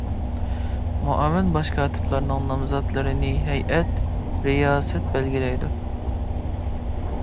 مۇئاۋىن باش كاتىپلارنىڭ نامزاتلىرىنى ھەيئەت رىياسەت بەلگىلەيدۇ.